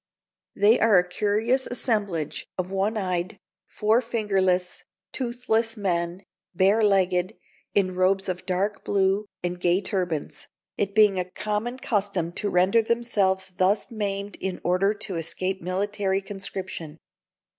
They are a curious assemblage of one eyed, forefingerless, toothless men, bare legged, in robes of dark blue, and gay turbans, it being a common custom to render themselves thus maimed in order to escape military conscription.